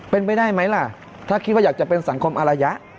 เป็นไปได้ไหมล่ะถ้าคิดว่าอยากจะเป็นสังคมอารยะ